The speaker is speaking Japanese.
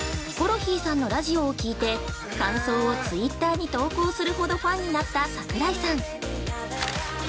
ヒコロヒーさんのラジオを聞いて、感想をツイッターに投稿するほどファンになった桜井さん。